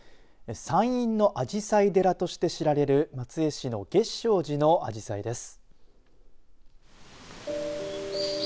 山陰のあじさい寺として知られる松江市の月照寺のあじさいです。